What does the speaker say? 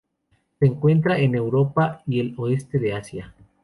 Se encuentra en Europa y el oeste de Asia.